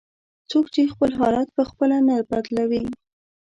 "څوک چې خپل حالت په خپله نه بدلوي".